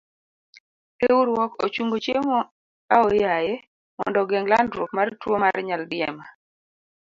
Riwruok ochungo chiemo aoyaye mondo ogeng' landruok mar tuo mar nyal diema.